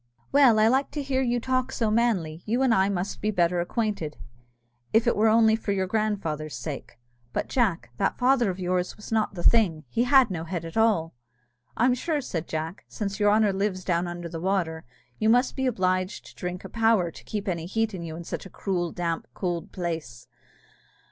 "Well, I like to hear you talk so manly; you and I must be better acquainted, if it were only for your grandfather's sake. But, Jack, that father of yours was not the thing! he had no head at all." "I'm sure," said Jack, "since your honour lives down under the water, you must be obliged to drink a power to keep any heat in you in such a cruel, damp, could place.